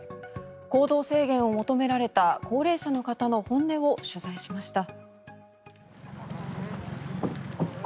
行動制限を求められた高齢者の方の本音を取材しました。